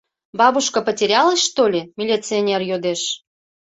— Бабушка, потерялась что ли? — милиционер йодеш.